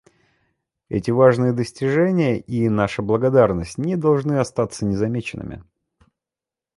Эти важные достижения — и наша благодарность — не должны остаться незамеченными.